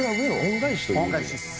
恩返しです。